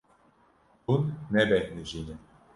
Hûn nebêhnijî ne.